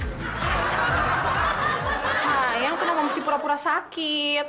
sayang kenapa mesti pura pura sakit